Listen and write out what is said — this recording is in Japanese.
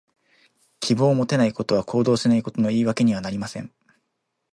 希望を持てないことは、行動しないことの言い訳にはなりません。